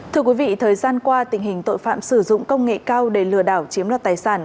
thưa quý vị thời gian qua tình hình tội phạm sử dụng công nghệ cao để lừa đảo chiếm đoạt tài sản